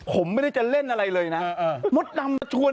พอจะแตกเหรอเออพอจะแตกเหรอพอจะแตกเหรอ